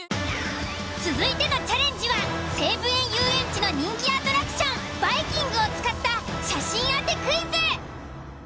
続いてのチャレンジは西武園ゆうえんちの人気アトラクションバイキングを使った写真当てクイズ！